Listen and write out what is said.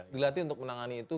dilatih untuk menangani itu